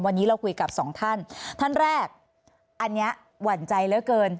วันนี้เราคุยกับสองท่านท่านแรกอันนี้หวั่นใจเหลือเกิน